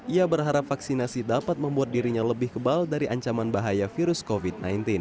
ia berharap vaksinasi dapat membuat dirinya lebih kebal dari ancaman bahaya virus covid sembilan belas